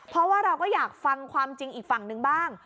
เพราะว่าเราก็อยากฟังความจริงอีกฝั่งหนึ่งบ้าง